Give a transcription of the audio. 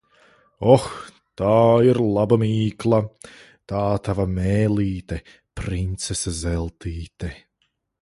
Oh, tā ir laba mīkla! Tā tava mēlīte, princese Zeltīte.